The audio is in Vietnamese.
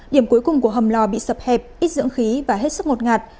điểm cuối cùng của hầm lò bị sập hẹp ít dưỡng khí và hết sức ngột ngạt